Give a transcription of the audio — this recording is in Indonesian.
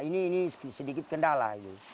nah ini sedikit kendala